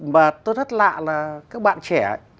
và tôi rất lạ là các bạn trẻ